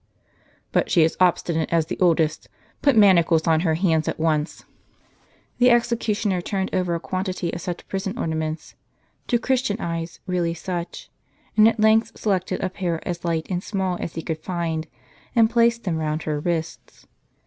" But she is obstinate as the oldest. Put manacles on her hands at once." The executioner turned over a quantity of such prison ornaments, — to Christian eyes really such, — and at length selected a pair as light and small as he could find, and placed them round her wrists.